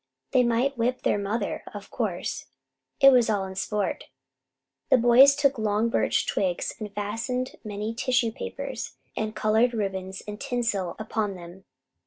They might whip their mother! Of course, it was all in sport. The boys took long birch twigs and fastened many tissue papers and coloured ribbons and tinsel upon them.